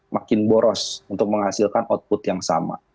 makin boros untuk menghasilkan output yang sama